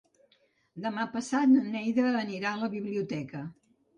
Demà passat na Neida anirà a la biblioteca.